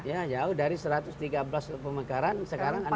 ya jauh dari satu ratus tiga belas pemegaran sekarang empat ratus enam puluh delapan